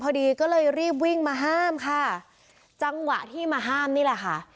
พอดีก็เลยรีบวิ่งมาห้ามค่ะจังหวะที่มาห้ามนี่แหละค่ะ